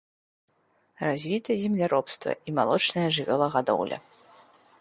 Развіта земляробства і малочная жывёлагадоўля.